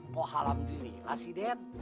kok alhamdulillah sih den